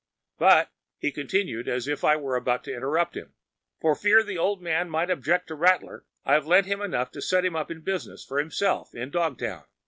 But,‚ÄĚ he continued, as I was about to interrupt him, “for fear the old man might object to Rattler, I’ve lent him enough to set him up in business for himself in Dogtown.